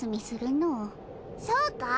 そうか？